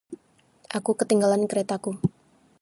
Aku ketinggalan keretaku.